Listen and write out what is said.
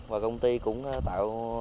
và công ty cũng tạo